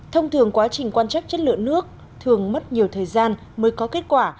trường quá trình quan trắc chất lượng nước thường mất nhiều thời gian mới có kết quả